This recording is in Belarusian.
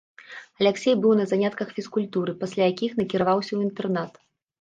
Аляксей быў на занятках фізкультуры, пасля якіх накіраваўся ў інтэрнат.